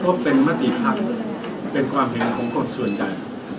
พวกเป็นมาตรีผักเป็นความเห็นของคนส่วนใหญ่